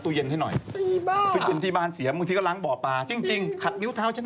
เป็นผู้ที่ไม่เคยปั่นเรื่องใคร